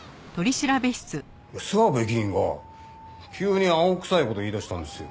諏訪部議員が急に青臭い事を言いだしたんですよ。